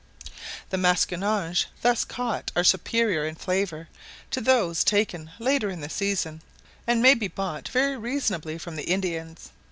The masquinonge thus caught are superior in flavour to those taken later in the season, and may be bought very reasonably from the Indians.